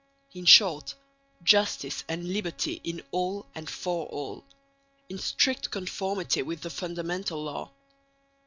in short, justice and liberty in all and for all, in strict conformity with the fundamental law.